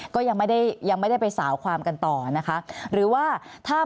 ก็ยังไม่ได้ไปสาวความกันต่อนะคะ